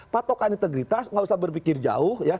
patokan integritas nggak usah berpikir jauh